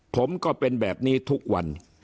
ผมก็เป็นแบบนี้ทุกวัน